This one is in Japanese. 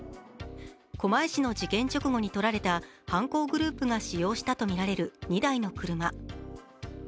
狛江市の事件直後に撮られた犯行グループが使用したとみられる２台の車。